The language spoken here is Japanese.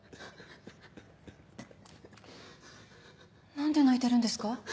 何で泣いてるんですか？